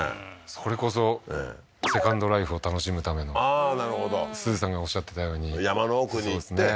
それこそセカンドライフを楽しむためのああーなるほどすずさんがおっしゃってたように山の奥に行ってそうですね